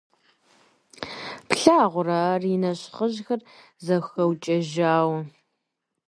Плъагъурэ ар, и нэщхъыжьхэр зэхэукӀэжауэ!